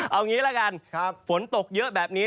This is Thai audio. เอางี้ละกันฝนตกเยอะแบบนี้